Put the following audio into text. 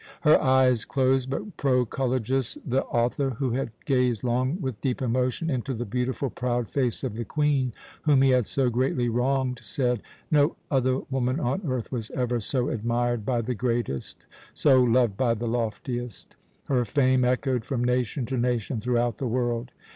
Her eyes closed, but Proculejus, the author, who had gazed long with deep emotion into the beautiful proud face of the Queen whom he had so greatly wronged, said: "No other woman on earth was ever so admired by the greatest, so loved by the loftiest. Her fame echoed from nation to nation throughout the world.